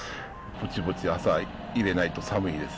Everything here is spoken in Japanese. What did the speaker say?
ぼちぼち、朝入れないと寒いです。